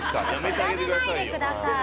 比べないでください。